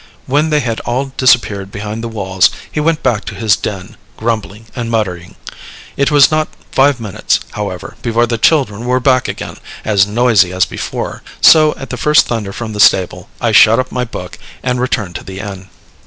When they had all disappeared behind the walls, he went back to his den, grumbling and muttering. It was not five minutes, however, before the children were back again, as noisy as before; so, at the first thunder from the stable, I shut up my book, and returned to the inn.